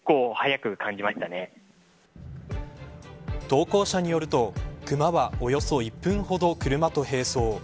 投稿者によるとクマはおよそ１分ほど車と並走。